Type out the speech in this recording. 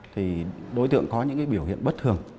thì đối tượng có những biểu hiện bất thường